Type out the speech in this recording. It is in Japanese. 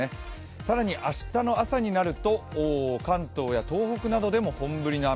更に明日の朝になると、関東や東北などでも本降りの雨。